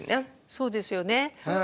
そうですよね。